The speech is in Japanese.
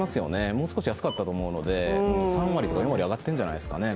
もう少し安かったと思うので３割、４割上がってるんじゃないですかね